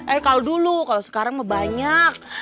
eh kalau dulu kalau sekarang banyak